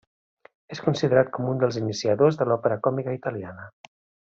És considerat com un dels iniciadors de l'òpera còmica italiana.